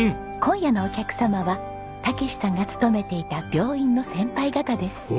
今夜のお客様は武史さんが勤めていた病院の先輩方です。